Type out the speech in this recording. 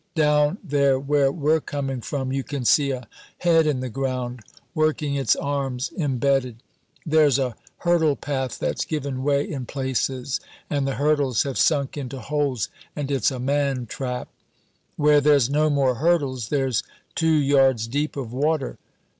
Down there where we're coming from you can see a head in the ground, working its arms, embedded. There's a hurdle path that's given way in places and the hurdles have sunk into holes, and it's a man trap. Where there's no more hurdles there's two yards deep of water.